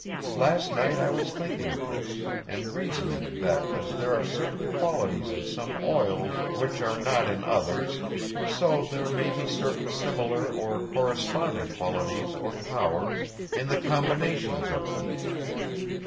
Last night I was thinking of this, and reasoning that as there are certain qualities in some oils which are not in others, so there may be certain similar or corresponding qualities or powers in the combinations of each.